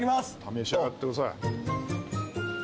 召し上がってください。